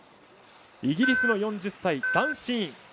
イギリスの４０歳ダン・シーン。